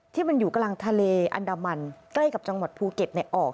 ที่มันอยู่กลางทะเลอันดามันใกล้กับจังหวัดภูเก็ตออก